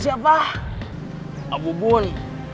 saya yang menang